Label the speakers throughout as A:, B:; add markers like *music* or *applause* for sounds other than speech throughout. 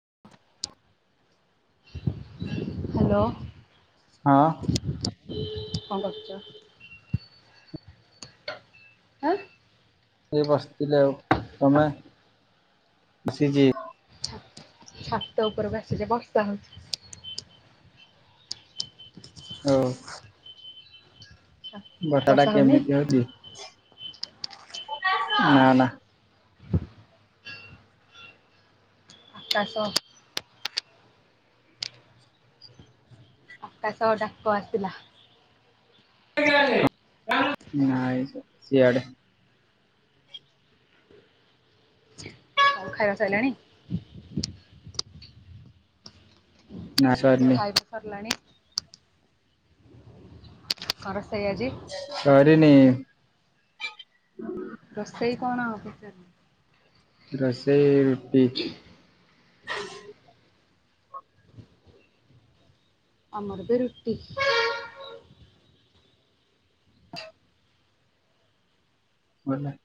A: *inaudible*
B: *unintelligible* Hello.
A: ହଁ।
B: କଁ କରୁଚ *unintelligible* ହେଁ
A: ଏଇ ବସିଥିଲେ ଆଉ ତମେ ବସିଚି।
B: ଛାତ ଉପରେ ବାମସିଲେ ବର୍ଷା ହଉଚି।
A: ହଉ। ବର୍ଷା ଟା କେମିତି ହଉଚି। ଖାଇବ ଆସ ନା ନା।
B: ଆକାଶ। *unintelligible* ଆକାଶ ଡାକ ଆସିଲା।
A: ସିଆଡେ *unintelligible* ନାଇ ସିଆଡେ।
B: ଆଉ ଖାଇବା ସଇଲାଣି?
A: ନା ସରିନି
B: ଖାଇବା ସରିଲାଣି। *unintelligible*
A: ସରିନି।
B: ରୋଷେଇ କଣ ପଚାରିଲି।
A: ରୋଷେଇ ରୁଟି
B: *inaudible*
A: *inaudible*
B: ଆମର ବି ରୁଟି।
A: *inaudible* ଭଲ।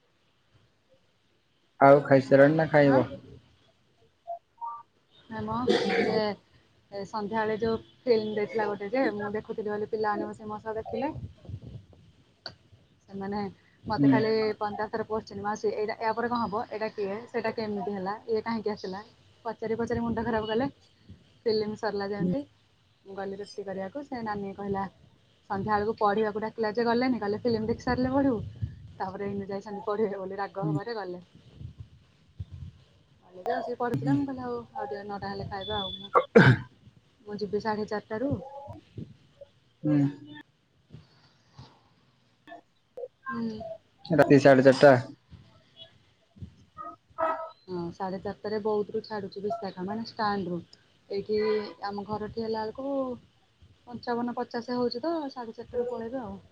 A: ଆଉ ଖାଇସାଇଲଣି ନା
B: ଆଁ
A: ଖାଇବ?
B: ନାଇଁ ମ ସେ ଏଁ ସନ୍ଧ୍ୟାବେଳେ ଯୋଉ ଫିଲ୍ମି ଦେଇଥିଲା ଗୋଟେ ଯେ ମୁଁ ଦେଖୁଥିଲି ବୋଲି ପିଲାମାନେ ବସି ମୋ ସହ ଦେଖିଲେ। ସେମାନେ ମତେ
A: ହୁଁ
B: ଖାଲି ପନ୍ଦରଥର ପୋସଛନ୍ତି ମାଉସୀ ଏଇଡ଼ା ୟା ପରେ କଁ ହବ ଏଇଡ଼ା କିଏ ସେଟା କେମିତି ହେଲା ଇଏ କାହିଁକି ଆସିଲା ପଚାରି ପଚା ଚାରି ମୁଣ୍ଡ ଖରାପ କଲେ ଫିଲ୍ମି ସରିଲା
A: ହୁଁ
B: ଯେମତି ମୁଁ ଗଲି ରୁଟି କରିବାକୁ ସେ ନାନୀ କହିଲା। ସନ୍ଧ୍ୟାଆଳୁକୁ ପଢିବାକୁ ଡାକିଲା ଯେ ଗଲେନି କହିଲେ ଫିଲ୍ମି ଦେଖି ସାରିଲେ ପଢିବୁ ତାପରେ ଏଇନୁ ଯାଇଛନ୍ତି ପ ଢିବେ ବୋଲି ରାଗ
A: ହୁଁ
B: ହବାରେ ଗଲେ। *unintelligible* ଆସିକି ପଢୁଥିଲେ ମୁଁ କହିଲି ଆଉ ଆଉ ଟିକେ ନଅଟା ହେଲେ ଖାଇବା ଆଉ ମୁଁ ମୁଁ ଯିବି ସାଢ଼େ ଚାର୍
A: ହୁଁ।
B: ହୁଁ
A: ରାତି ସାଢେ ଚାରିଟା।
B: *inaudible* ହଁ ସାଢ଼େ ଚାରଟାରେ ବୌଦ୍ଧରୁ ଛାଡୁଚି ବିଶାଖା ମାନେ ଷ୍ଟାଣ୍ଡରୁ ଏଇଠି ଆମ ଘରଠୀ ହେଲା ତାଙ୍କୁ ପଞ୍ଚାବନ ପଚାଶେ ହୋଉଚି ତ ସାଢ଼େ ଚାରିଟାରୁ ପଳେଇବେ ଆଉ। *inaudible*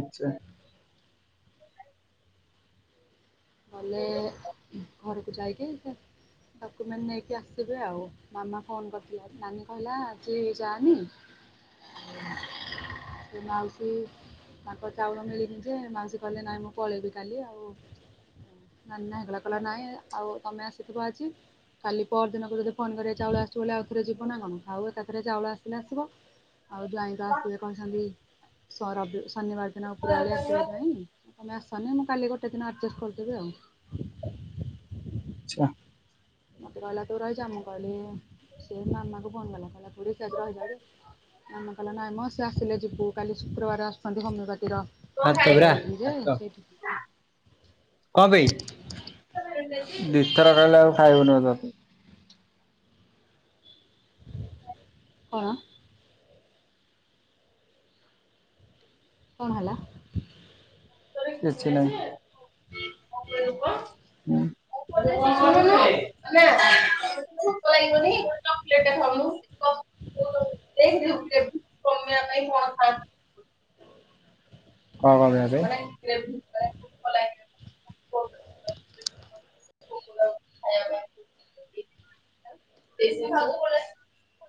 A: ଆଚ୍ଛା।
B: ଗଲେ ଘରକୁ ଯାଇକି ସେ ଡକୁମେନ୍ ନେଇକି ଆସିବେ ଆଉ ମାମା ଫୋନ୍ କରିଥିଲା ନାନୀ କହିଲା ଆଜି ଯାନି ସେ ମାଉସୀ ତାଙ୍କ ଚାଉଳ ମିଳିନି ଯେ ମାଉସୀ କହିଲେ ନାଇଁ ମୁଁ ପଳେଇବି କାଲି ଆଉ। ନାନୀ ନାହିଁ କଲା କହିଲା ନାଇଁ ଆଉ ତମେ ଆସିଥିବ ଆଜି କାଲି ପର ଦିନକୁ ଯଦି ଫୋନ୍ କରିବେ ଚାଉଳ ଆସିଚି ବୋଲି ଆଉ ଥରେ ଯିବ ନା କଣ ଥାଉ ଏକାଥରେ ଚାଉଳ ଆସିଲେ ଆସିବ। ଆଉ ଜ୍ୟାଇଁ ତ ଆସିବେ କହିଛନ୍ତି ସ ରବି ଶନିବାର ଦିନ ଉପ୍ରଓଳି ଆସିବେ ଜ୍ୟାଇଁ। ତମେ ଆସନି ମୁଁ କାଲି ଗୋଟେ ଦିନ ଆର୍ଜେଷ୍ଟେ କରିଦେବି ଆଉ।
A: *unintelligible*
B: ମତେ କହିଲା ତୁ ରହିଯା ମୁଁ କହିଲି ସିଏ ମାମାକୁ ଫୋନ୍ କଲା କହିଲା ଖୁଡି ସିଏ ଆଜି ରହିଯାଉଯେ ମାମା କହିଲା ନାଇଁ ମ ସିଏ ଆସିଲେ ଯିବୁ କାଲି ଶୁକ୍ରବାରେ ଆସୁଛନ୍ତି ହୋମୀଓ ପା
A: *unintelligible* କଁ ପେଇଁ। ଦିଥର ଖାଇଲେ ଆଉ ଖାଇ ହୋଉନି। *unintelligible*
B: କଣ? କଣ ହେଲା?
A: କିଛି ନାଇଁ। *unintelligible* ଚି ଭୋକୋ ଲାଗିବନି ଗୋଟେ ଚକ୍ଲେଟ୍ ଟେ ଖାଉନୁ *unintelligible* *unintelligible* *unintelligible*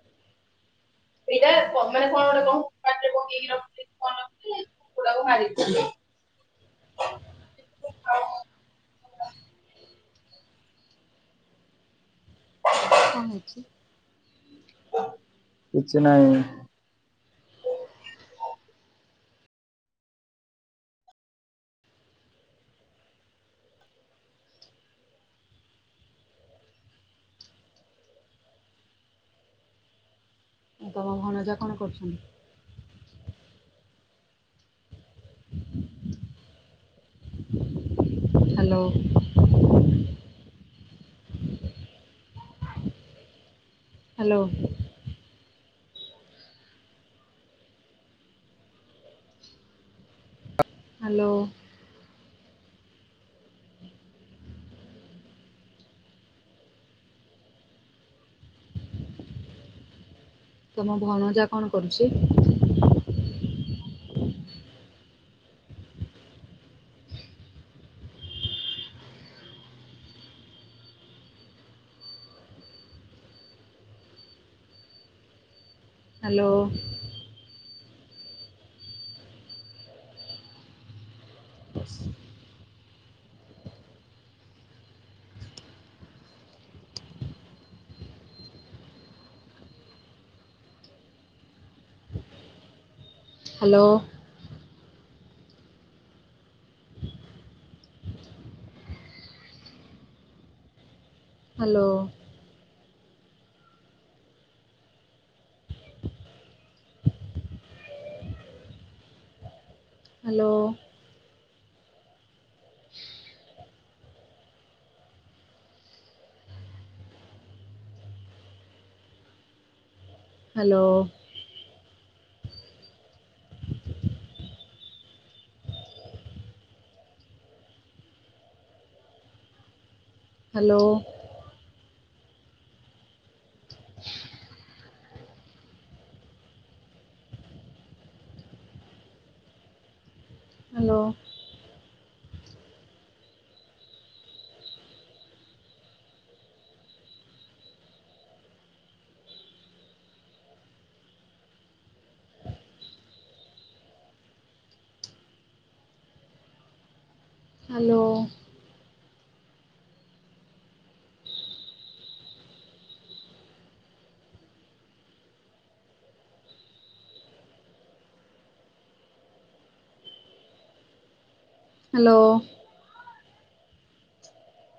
A: ଏଇଟା କ ମାନେ କଣ ଗୋଟେ କହୁନ *unintelligible* କୁକୁଡାକୁ ମାରି
B: କଣ ହେଇଛି?
A: କିଛି ନାଇ।
B: ତମ ଭଣଯା କଣ କରୁଛନ୍ତି? ହ୍ୟାଲୋ। ହ୍ୟାଲୋ। ହ୍ୟାଲୋ। ତମ ଭଣଯା କଣ କରୁଛି? Hello. Hello. Hello. Hello. Hello. Hello hello hello. Hello.